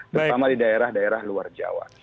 terutama di daerah daerah luar jawa